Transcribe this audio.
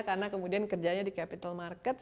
karena kemudian kerjanya di capital marathon